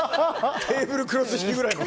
テーブルクロス引きくらいの。